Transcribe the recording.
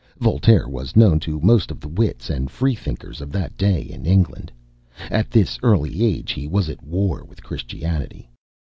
Voltaire was known to most of the wits and Freethinkers of that day in England. At this early age he was at war with Christianity.